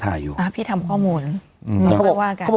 ฟังลูกครับ